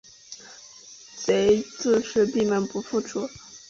贼自是闭门不复出。